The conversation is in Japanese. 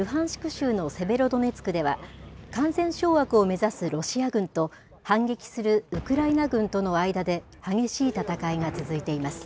州のセベロドネツクでは、完全掌握を目指すロシア軍と、反撃するウクライナ軍との間で、激しい戦いが続いています。